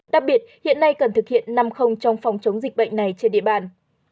đặc biệt hiện nay cần thực hiện năm trong phòng chống dịch bệnh này trên địa bàn